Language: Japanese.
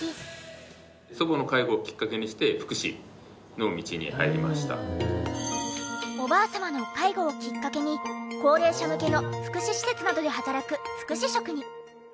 その後日向くんはおばあ様の介護をきっかけに高齢者向けの福祉施設などで働く福祉職に。